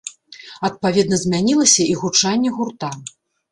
Адпаведна змянілася і гучанне гурта.